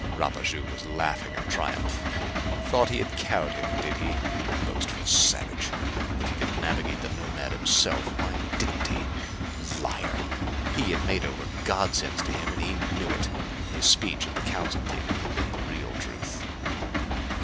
Rapaju was laughing in triumph. Thought he had cowed him, did he? Boastful savage! If he could navigate the Nomad himself, why didn't he? Liar! He and Mado were godsends to him, and he knew it! His speech at the council table had been the real truth.